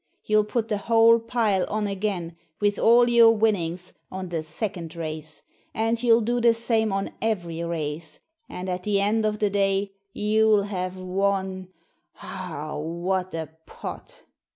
You'll put the whole pile on again, with all your winnings, on the second race; and you'll do the same on every race; and at the end of the day you'll have won — ah, what a pot!"